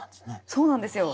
そうなんですよ。